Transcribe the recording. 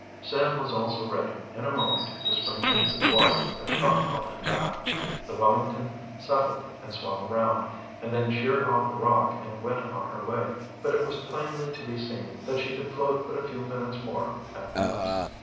Sam was also ready, in a moment, to spring into the water, but Tom held him back. The Wellington settled and swung around, and then sheered off the rock and went on her way. But it was plainly to be seen that she could float but a few minutes more at the most.